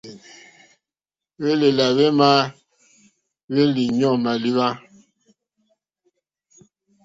Hwélèlà hwémá hwéɲɔ́ǃɔ́ mâléwá.